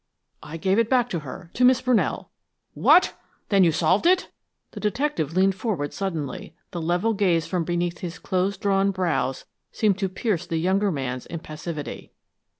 "I gave it back to her to Miss Brunell." "What! Then you solved it?" the detective leaned forward suddenly, the level gaze from beneath his close drawn brows seeming to pierce the younger man's impassivity.